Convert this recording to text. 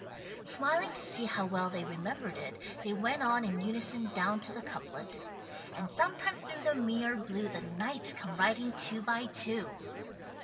Smiling to see how well they remembered it, they went on in unison down to the couplet: "And sometimes through the mirror blue The knights come riding two by two."